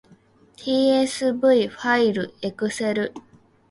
tsv ファイルエクセル